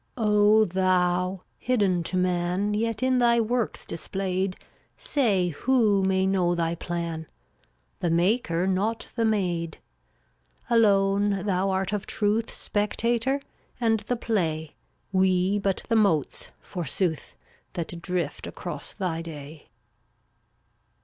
346 O Thou ! hidden to man, Yet in thy works displayed, Say, who may know thy plan ? The Maker not the made. Alone Thou art of truth Spectator and the play, We but the motes, forsooth, That drift across Thy day.